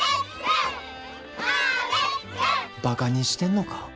ばかにしてんのか？